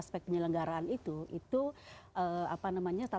aspek penyelenggaraan itu itu apa namanya